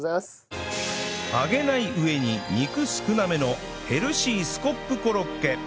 揚げない上に肉少なめのヘルシースコップコロッケ